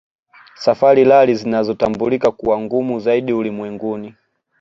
Safari Rally zinazotambulika kuwa ngumu zaidi ulimwenguni